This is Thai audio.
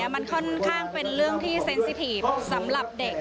มันค่อนข้างเป็นเรื่องที่เซ็นสิถีฟสำหรับเด็ก